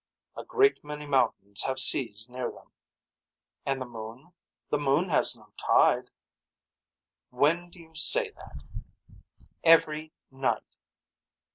A great many mountains have seas near them. And the moon. The moon has no tide. When do you say that. Every night.